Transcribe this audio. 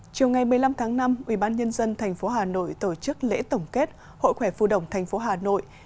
chiều ngày một mươi năm tháng năm ubnd tp hà nội tổ chức lễ tổng kết hội khỏe phu đồng thành phố hà nội